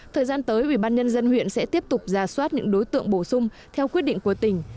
thời gian tới ủy ban nhân dân huyện sẽ tiếp tục ra soát những đối tượng bổ sung theo quyết định của tỉnh